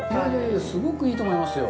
すごくいいと思いますよ。